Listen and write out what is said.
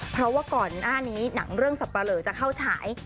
เพราะว่าก่อนหน้านี้หนังเรื่องสับปะเหลอจะเข้าฉาย